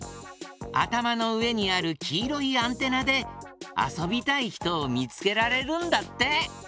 あたまのうえにあるきいろいアンテナであそびたいひとをみつけられるんだって。